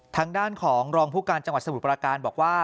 ทางด้านของรองผู้การจังหวัดสมุทรปราการบอกว่า